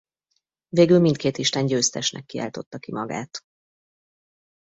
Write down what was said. Végül mindkét isten győztesnek kiáltotta ki magát.